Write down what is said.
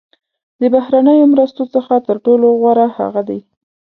د بهرنیو مرستو څخه تر ټولو غوره هغه دي.